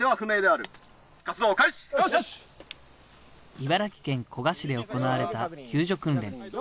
茨城県古河市で行われた救助訓練。